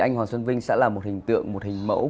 anh hoàng xuân vinh sẽ là một hình tượng một hình mẫu